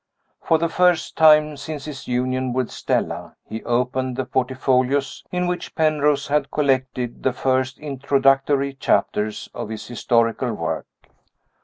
For the first time since his union with Stella he opened the portfolios in which Penrose had collected the first introductory chapters of his historical work.